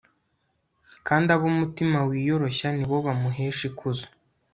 kandi ab'umutima wiyoroshya ni bo bamuhesha ikuzo